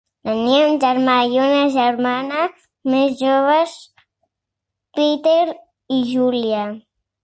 Tenia un germà i una germana més joves, Peter i Julia.